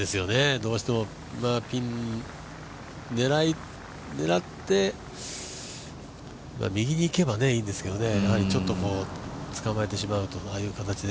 どうしても、ピン狙って右に行けばいいんですけどやはりつかまえてしまうとああいう形で。